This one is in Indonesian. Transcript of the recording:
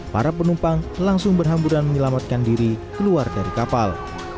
para penumpang langsung berhamburan menyelamatkan diri keluar dari kapal